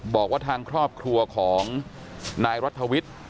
บอกว่าทางครอบครัวของนายรัฐวิทย์